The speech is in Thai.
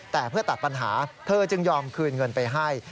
แต่เพื่อตัดปัญหาเธอจึงยอมคืนเงินไปให้